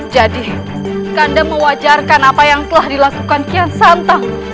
jadi kandang mewajarkan apa yang telah dilakukan kian santang